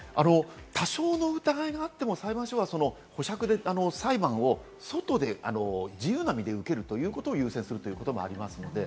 多少の疑いがあっても、裁判所は保釈で裁判を、外で自由な身で受けるということを優先するということもあります。